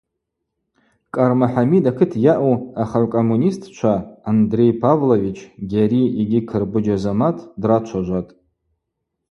Кӏарма Хӏамид акыт йаъу ахыгӏвкоммунистчва – Андрей Павлович, Гьари игьи Кырбыджь Азамат драчважватӏ.